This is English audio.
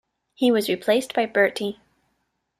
He was replaced by Burti.